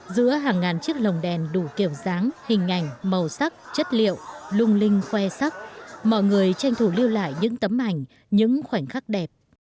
giữa hàng ngàn chiếc lồng đèn đủ kiểu dáng hình ảnh màu sắc chất liệu lung linh khoe sắc mọi người tranh thủ lưu lại những tấm ảnh những khoảnh khắc đẹp